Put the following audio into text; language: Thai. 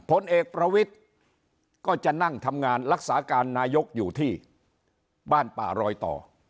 ผลเอกประวิทย์ก็จะนั่งทำงานรักษาการนายกอยู่ที่บ้านป่ารอยต่อ